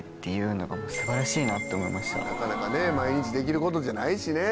なかなかね毎日できることじゃないしね。